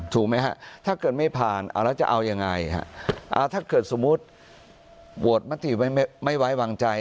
ถูกไหมฮะถ้าเกิดไม่ผ่านเอาแล้วจะเอายังไงฮะถ้าเกิดสมมุติโหวตมติไว้ไม่ไว้วางใจ